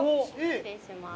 失礼します。